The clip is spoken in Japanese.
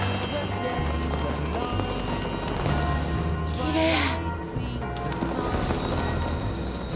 きれい。